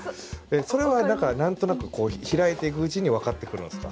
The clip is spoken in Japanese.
それは何となくこう開いていくうちに分かってくるんですか？